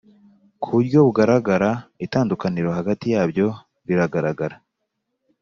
ku buryo bugaragara itandukaniro hagati yabyo riragaragara